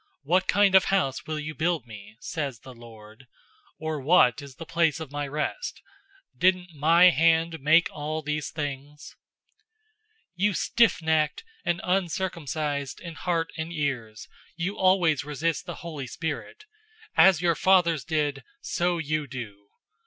What kind of house will you build me?' says the Lord; 'or what is the place of my rest? 007:050 Didn't my hand make all these things?'{Isaiah 66:1 2} 007:051 "You stiff necked and uncircumcised in heart and ears, you always resist the Holy Spirit! As your fathers did, so you do.